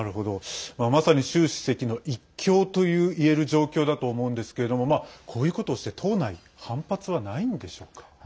まさに習主席の一強といえる状況だと思うんですけれどもこういうことをして党内、反発はないんでしょうか。